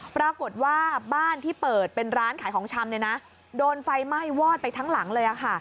ปรากฏว่าบ้านที่เปิดเป็นร้านขายของชำเนี่ยนะโดนไฟไหม้วอดไปทั้งหลังเลยค่ะ